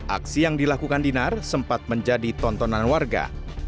aksi yang dilakukan dinar sempat menjadi tontonan warga